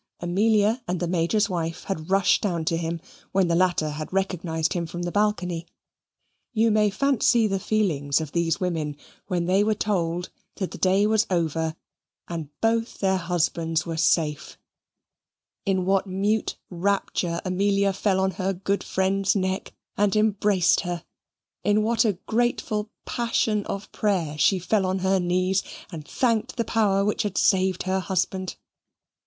Amelia and the Major's wife had rushed down to him, when the latter had recognised him from the balcony. You may fancy the feelings of these women when they were told that the day was over, and both their husbands were safe; in what mute rapture Amelia fell on her good friend's neck, and embraced her; in what a grateful passion of prayer she fell on her knees, and thanked the Power which had saved her husband.